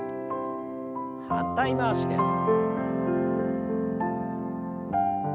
反対回しです。